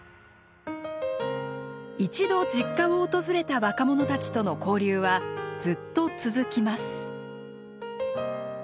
一度ＺＩＣＣＡを訪れた若者たちとの交流はずっと続きます。